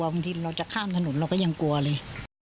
บางทีเราจะข้ามถนนเราก็ยังกลัวเลย